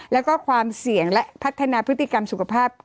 แล้วก็ความเสี่ยงและพัฒนาพฤติกรรมสุขภาพ